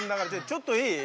ちょっといい？